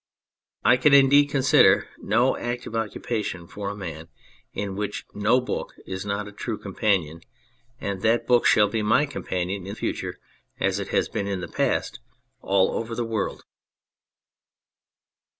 I can indeed consider no active occupation for a man in which No Book is not a true companion, and that book shall be my companion in future, as it has been in the past, all over the world.